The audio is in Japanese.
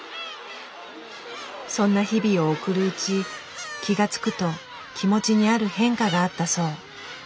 そんな日々を送るうち気が付くと気持ちにある変化があったそう。